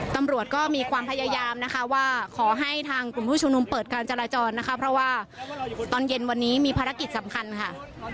ตำรวจก็มีความพยายามนะคะว่าขอให้ทางกลุ่มผู้ชุมนุมเปิดการจราจรนะคะเพราะว่าตอนเย็นวันนี้มีภารกิจสำคัญค่ะ